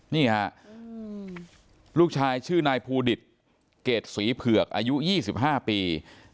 นี่ฮะลูกชายชื่อนายภูดิตเกรดศรีเผือกอายุ๒๕ปี